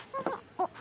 あっ。